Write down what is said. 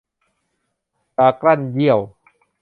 ดากลั้นเยี่ยว